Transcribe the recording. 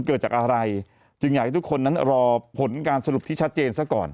เกิดจากอะไรทุกคนยังรอนานละรอผลการสรุปที่ชัดเจนซะก่อน